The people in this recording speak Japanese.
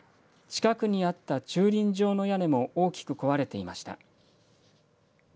近くにあった駐輪場の屋根も大きく壊れていました。